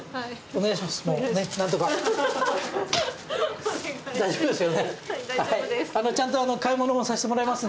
お願いします。